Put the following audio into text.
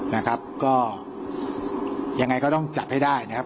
นะครับก็ยังไงก็ต้องจับให้ได้นะครับ